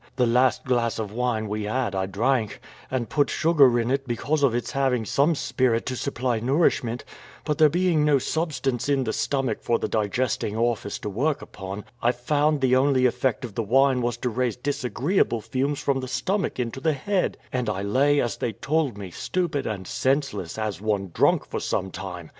The last glass of wine we had I drank, and put sugar in it, because of its having some spirit to supply nourishment; but there being no substance in the stomach for the digesting office to work upon, I found the only effect of the wine was to raise disagreeable fumes from the stomach into the head; and I lay, as they told me, stupid and senseless, as one drunk, for some time.